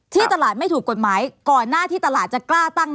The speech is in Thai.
ที่ตลาดไม่ถูกกฎหมายก่อนหน้าที่ตลาดจะกล้าตั้ง